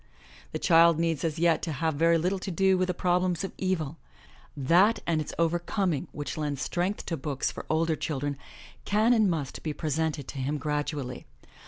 The child needs as yet to have very little to do with the prob lems of evil. That and its overcoming which lend strength to books for older children, can and must be presented to him gradually.